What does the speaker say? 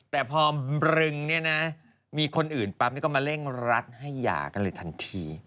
แต่พอบรึงเนี่ยนะมีคนอื่นปั๊บก็มาเร่งรัดให้หย่ากันเลยทันที